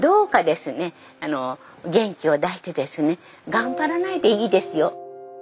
頑張らないでいいですよ。